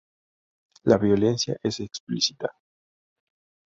La violencia es explícita.